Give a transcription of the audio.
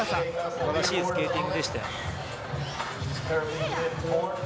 すばらしいスケーティングでしたよ。